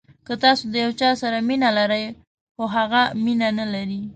که تاسو د یو چا سره مینه لرئ خو هغه مینه نلري.